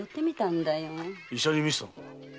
医者に診せたのか？